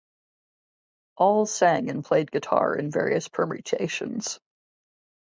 All sang and played guitar in various permutations.